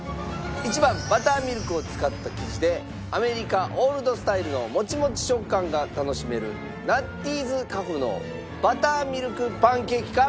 １番バターミルクを使った生地でアメリカオールドスタイルのもちもち食感が楽しめるＮＵＴＴＹ’ｓＣＡＦＦのバターミルクパンケーキか。